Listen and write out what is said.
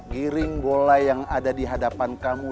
giring bola yang ada di hadapan kamu